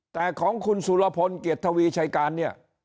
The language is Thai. แต่ของคุณสุรพลเกียรติทวีชัยการเนี่ย